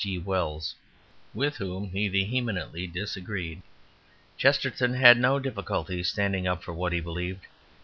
G. Wells with whom he vehemently disagreed. Chesterton had no difficulty standing up for what he believed.